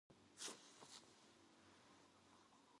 국무위원은 국무총리의 제청으로 대통령이 임명한다.